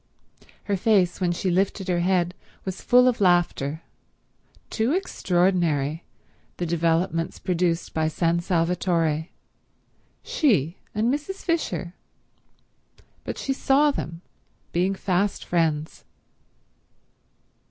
Her face when she lifted her head was full of laughter. Too extraordinary, the developments produced by San Salvatore. She and Mrs. Fisher ... but she saw them being fast friends.